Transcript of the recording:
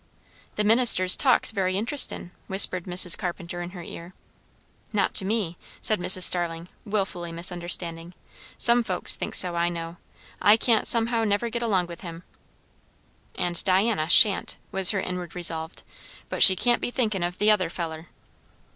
"The minister's talk's very interestin'," whispered Mrs. Carpenter in her ear. "Not to me," said Mrs. Starling, wilfully misunderstanding. "Some folks thinks so, I know. I can't somehow never get along with him." "And Diana sha'n't," was her inward resolve; "but she can't be thinkin' of the other feller."